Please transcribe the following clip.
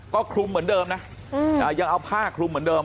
ก็คลุมเหมือนเดิมนะยังเอาผ้าคลุมเหมือนเดิ